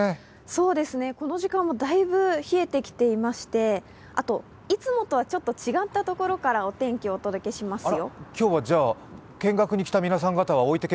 そうですね、この時間も大分冷えてきまして、あと、いつもとはちょっと違った所からお天気をお届けしますよ。